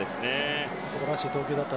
素晴らしい投球でした。